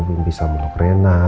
aku belum bisa meluk rena